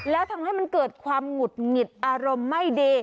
แล้วทำให้มันเกิดความหงุดหงิดอารมณ์ไม่ดี